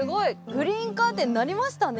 グリーンカーテンなりましたね。